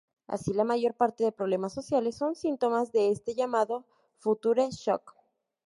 Así, la mayor parte de problemas sociales son síntomas de este llamado Future Shock.